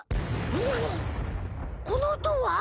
この音は！？